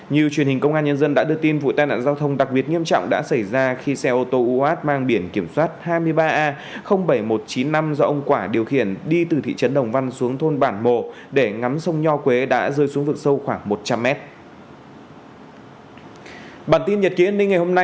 như truyền hình công an nhân dân đã đưa tin vụ tai nạn giao thông đặc biệt nghiêm trọng đã xảy ra khi xe ô tô uat mang biển kiểm soát hai mươi ba a bảy nghìn một trăm chín mươi năm do ông quả điều khiển đi từ thị trấn đồng văn xuống thôn bản mồ để ngắm sông nho quế đã rơi xuống vực sâu khoảng một trăm linh mét